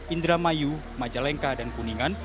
indramayu majalengka dan kuningan